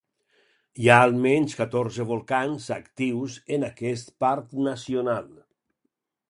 Hi ha almenys catorze volcans actius en aquest parc nacional.